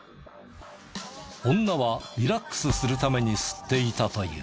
女はリラックスするために吸っていたという。